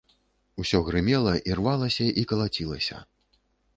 Усё грымела, ірвалася і калацілася.